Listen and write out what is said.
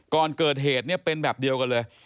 ก่อนเกิดเหตุเนี่ยเป็นแบบเดียวกันเลย